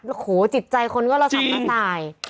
โอ้โหจิตใจคนก็ระสับกระส่าย